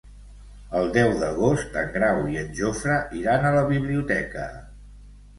El deu d'agost en Grau i en Jofre iran a la biblioteca.